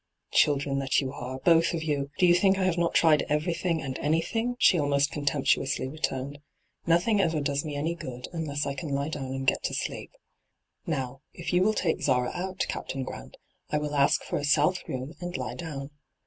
' Children that you are, both of you I do you think I have not tried everything and anything V she almost contemptuously re turned. ' Nothing ever does me any good, unless I can lie down and get to sleep. Now, if you will take Zara out, Captain Grant, I will ask for a south room and lie down.